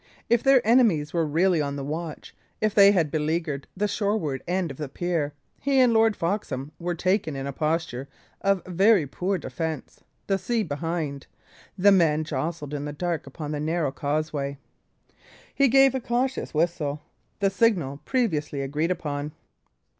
If their enemies were really on the watch, if they had beleaguered the shoreward end of the pier, he and Lord Foxham were taken in a posture of very poor defence, the sea behind, the men jostled in the dark upon a narrow causeway. He gave a cautious whistle, the signal previously agreed upon.